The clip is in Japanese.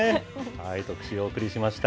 特集、お送りしました。